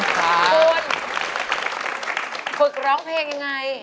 คุณฝึกร้องเพลงยังไง